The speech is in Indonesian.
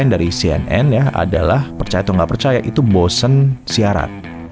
yang pertama yang gue risahin dari cnn adalah percaya atau gak percaya itu bosan siaran